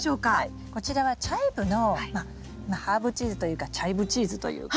こちらはチャイブのハーブチーズというかチャイブチーズというか。